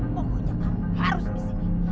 pokoknya pak harus disini